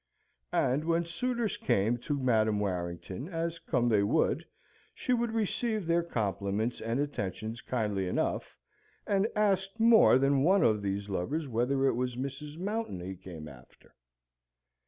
And when suitors came to Madam Warrington, as come they would, she would receive their compliments and attentions kindly enough, and asked more than one of these lovers whether it was Mrs. Mountain he came after?